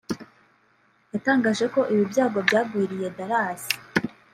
yatangaje ko ibi byago byagwiriye Dallas